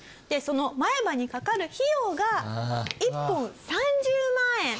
でその前歯にかかる費用が１本３０万円。